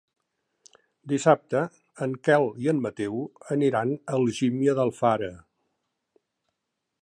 Dissabte en Quel i en Mateu aniran a Algímia d'Alfara.